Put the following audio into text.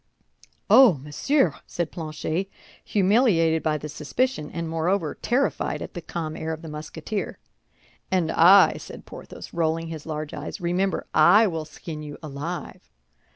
"Oh, monsieur!" said Planchet, humiliated by the suspicion, and moreover, terrified at the calm air of the Musketeer. "And I," said Porthos, rolling his large eyes, "remember, I will skin you alive."